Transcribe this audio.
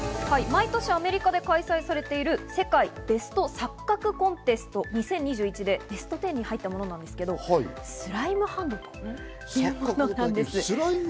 毎年アメリカで開催されている世界ベスト錯覚コンテスト２０２１でベスト１０に入ったものなんですけど、スライムハンドというものです。